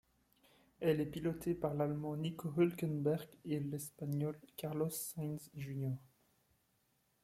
Elle est pilotée par l'Allemand Nico Hülkenberg et l'Espagnol Carlos Sainz Jr.